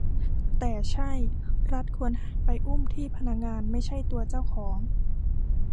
แต่ใช่ รัฐควรไปอุ้มที่พนักงาน ไม่ใช่ตัวเจ้าของ